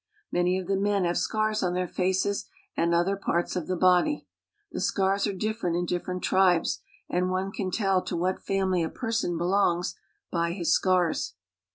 Many of the ' p men have scars on their faces and other parts of the body, I The scars are different in different tribes, and one can tell I to what family a person belongs by his scars.